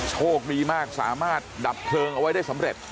โชคดีมากสามารถดับเพลิงเอาไว้ได้สำเร็จ